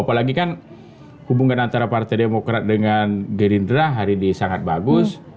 apalagi kan hubungan antara partai demokrat dengan gerindra hari ini sangat bagus